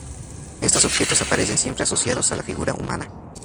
Estos objetos aparecen siempre asociados a la figura humana.